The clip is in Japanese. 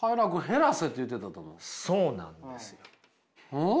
うん？